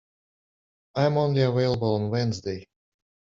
I am only available on Wednesday.